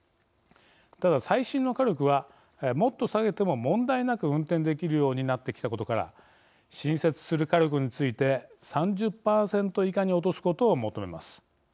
ただ最新の火力はもっと下げても問題なく運転できるようになってきたことから新設する火力について３０％以下に落とすことを求めます。